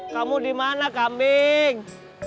kamu dimana kambing